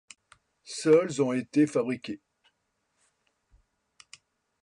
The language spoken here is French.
Seuls ont été frabriqués.